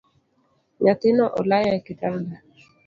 Nyathino olayo e kitanda.